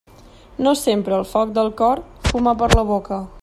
No sempre el foc del cor fuma per la boca.